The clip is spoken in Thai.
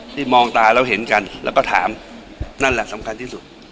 มองตาแล้วเห็นกันแล้วก็ถามนั่นแหละสำคัญที่สุด